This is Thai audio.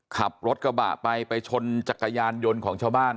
ขับรถกระบะไปไปชนจักรยานยนต์ของชาวบ้าน